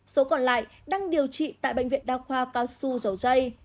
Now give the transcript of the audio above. số còn lại đang điều trị tại bệnh viện đa khoa cao xu dầu dây